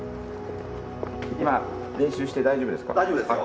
今、練習して大丈夫ですか？